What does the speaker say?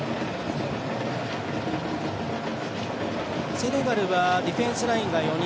セネガルはディフェンスラインが４人。